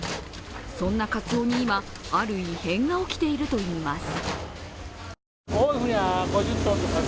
そんなかつおに今、ある異変が起きているといいます。